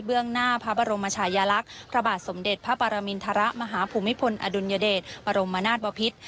หน้าพระบรมชายลักษณ์พระบาทสมเด็จพระปรมินทรมาฮภูมิพลอดุลยเดชบรมนาศบพิษ